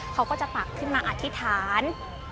เขาก็จะตักขึ้นมาอธิษฐาน